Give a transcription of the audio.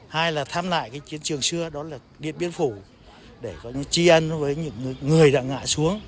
hai là tham nại chiến trường xưa đó là điện biên phủ để tri ân với những người đã ngạ xuống